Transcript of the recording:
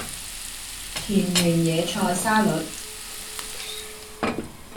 田園野菜沙律